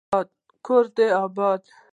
کور دي اباد